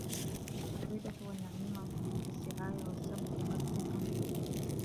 الْغِيبَةُ وَالنَّمِيمَةُ وَالسِّعَايَةُ وَالسَّبُّ بِقَذْفٍ أَوْ شَتْمٍ